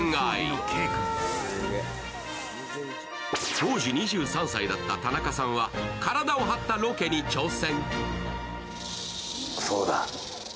当時２３歳だった田中さんは体を張ったロケに挑戦。